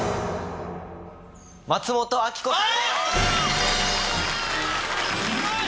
松本明子さんです！